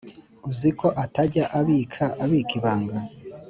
uziko atajya abika abika ibanga